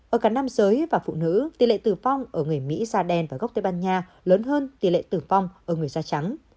ở cả nam giới và phụ nữ tỷ lệ tử vong ở người mỹ da đen và gốc tây ban nha lớn hơn tỷ lệ tử vong ở người da trắng